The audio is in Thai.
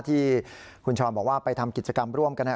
ที่คุณชรบอกว่าไปทำกิจกรรมร่วมกัน